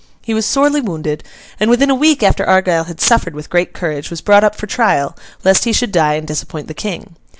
He was sorely wounded, and within a week after Argyle had suffered with great courage, was brought up for trial, lest he should die and disappoint the King.